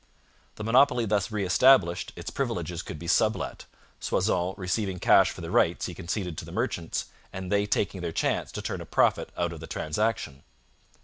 The monopoly thus re established, its privileges could be sublet, Soissons receiving cash for the rights he conceded to the merchants, and they taking their chance to turn a profit out of the transaction.